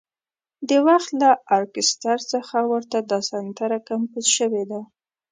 د وخت له ارکستر څخه ورته دا سندره کمپوز شوې ده.